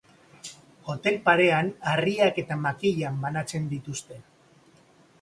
Hotel parean harriak eta makilak banatzen dituzte.